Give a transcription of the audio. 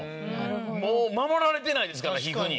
もう守られてないですから皮膚に。